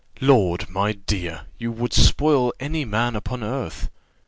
"Lord, my dear, you would spoil any man upon earth.